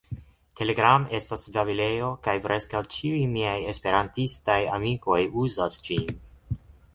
Telegram estas babilejo, kaj preskaŭ ĉiuj miaj Esperantistaj amikoj uzas ĝin.